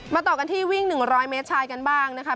ต่อกันที่วิ่ง๑๐๐เมตรชายกันบ้างนะคะ